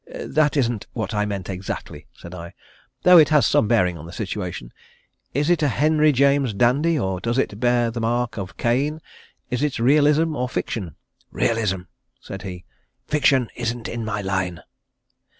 "That isn't what I meant exactly," said I, "though it has some bearing on the situation. Is it a Henry James dandy, or does it bear the mark of Caine? Is it realism or fiction?" "Realism," said he. "Fiction isn't in my line."